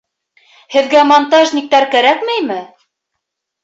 Һеҙгә монтажниктар кәрәкмәйме?